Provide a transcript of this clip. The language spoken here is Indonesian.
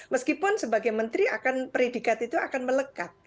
meskipun sebagai menteri akan predikat itu akan melekat